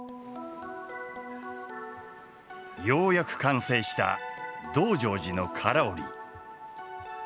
ようやく完成した「道成寺」の唐織。